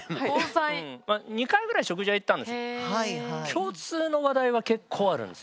共通の話題は結構あるんですよ。